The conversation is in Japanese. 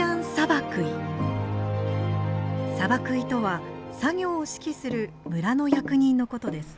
サバクイとは作業を指揮する村の役人のことです。